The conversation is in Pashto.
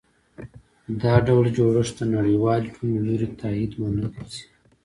دا ډول جوړښت د نړیوالې ټولنې له لوري تایید ونه ګرځي.